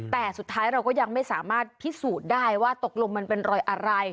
แต่สุดท้ายเราก็ยังไม่สามารถพิสูจน์ได้ว่าตกลงมันเป็นรอยอะไร